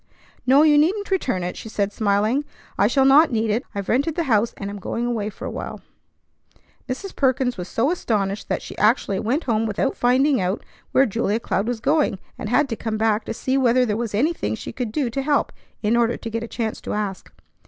"No, you needn't return it," she said, smiling. "I shall not need it. I've rented the house, and am going away for a while." Mrs. Perkins was so astonished that she actually went home without finding out where Julia Cloud was going, and had to come back to see whether there was anything she could do to help, in order to get a chance to ask.